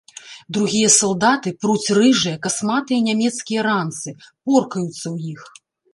Другія салдаты пруць рыжыя, касматыя нямецкія ранцы, поркаюцца ў іх.